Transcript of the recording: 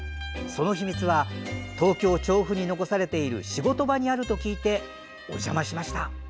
その秘密は東京・調布に残されている仕事場にあると聞いてお邪魔しました。